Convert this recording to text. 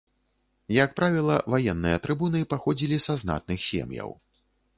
Як правіла, ваенныя трыбуны паходзілі са знатных сем'яў.